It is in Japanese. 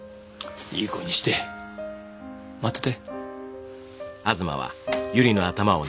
いい子にして待ってて・・・・